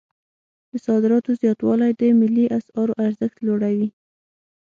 د صادراتو زیاتوالی د ملي اسعارو ارزښت لوړوي.